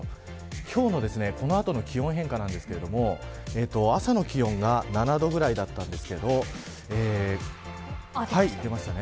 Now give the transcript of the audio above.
今日のこの後の気温変化なんですけれども朝の気温が７度ぐらいだったんですけど出ましたね。